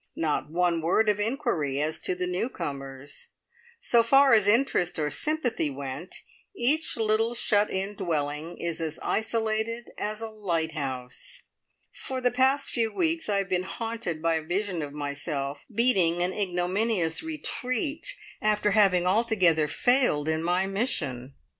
Not one word of inquiry as to the newcomers. So far as interest or sympathy went, each little shut in dwelling is as isolated as a lighthouse. For the past few weeks I have been haunted by a vision of myself beating an ignominious retreat, after having altogether failed in my mission.